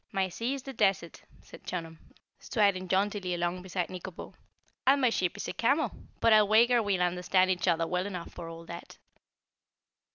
"My sea is the desert," said Chunum, striding jauntily along beside Nikobo, "and my ship is a camel, but I'll wager we'll understand each other well enough for all that."